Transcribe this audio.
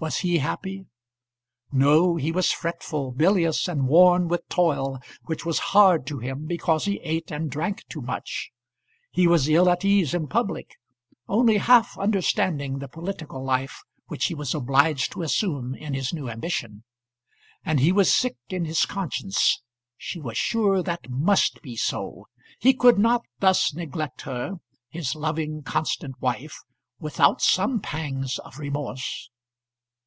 Was he happy? No; he was fretful, bilious, and worn with toil which was hard to him because he ate and drank too much; he was ill at ease in public, only half understanding the political life which he was obliged to assume in his new ambition; and he was sick in his conscience she was sure that must be so: he could not thus neglect her, his loving, constant wife, without some pangs of remorse.